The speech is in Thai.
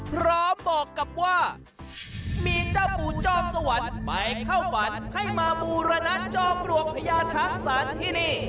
บอกกับว่ามีเจ้าปู่จอมสวรรค์ไปเข้าฝันให้มาบูรณะจอมปลวกพญาช้างศาลที่นี่